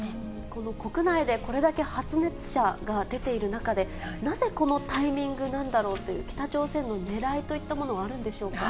この国内でこれだけ発熱者が出ている中で、なぜこのタイミングなんだろうという、北朝鮮のねらいといったものはあるんでしょうか。